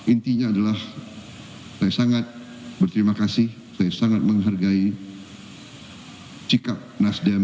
intinya adalah saya sangat berterima kasih saya sangat menghargai sikap nasdem